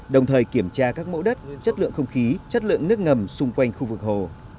đồng thời kiểm tra các mẫu đất chất lượng không khí chất lượng nước ngầm xung quanh khu vực hồ